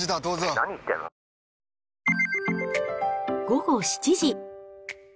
午後７時。